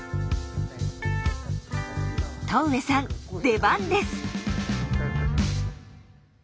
戸上さん出番です。